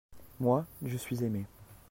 moi, je suis aimé.